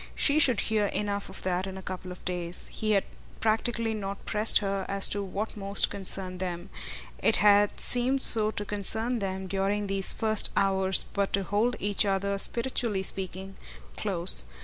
She should hear enough of that in a couple of days. He had practically not pressed her as to what most concerned them; it had seemed so to concern them during these first hours but to hold each other, spiritually speaking, close.